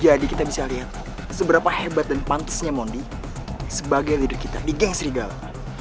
jadi kita bisa lihat seberapa hebat dan pantasnya mondi sebagai leader kita di geng serigala